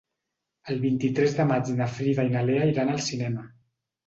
El vint-i-tres de maig na Frida i na Lea iran al cinema.